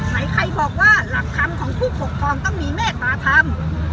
ใครบอกว่าหลักธรรมของผู้ปกครองต้องมีเมตตาธรรม